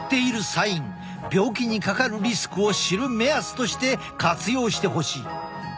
病気にかかるリスクを知る目安として活用してほしい。